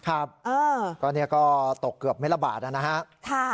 ครับตอนนี้ก็ตกเกือบเม็ดละบาทนะฮะ